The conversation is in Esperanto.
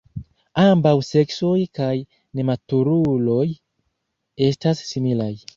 Ambaŭ seksoj kaj nematuruloj estas similaj.